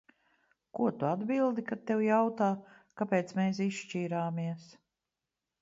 Ko tu atbildi, kad tev jautā, kāpēc mēs izšķīrāmies?